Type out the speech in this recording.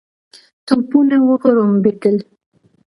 توپونه وغړومبېدل.